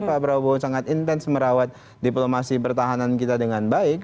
pak prabowo sangat intens merawat diplomasi pertahanan kita dengan baik